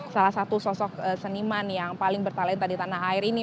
salah satu sosok seniman yang paling bertalenta di tanah air ini